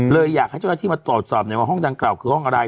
อยากให้เจ้าหน้าที่มาตรวจสอบหน่อยว่าห้องดังกล่าวคือห้องอะไร